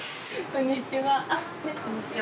こんにちは。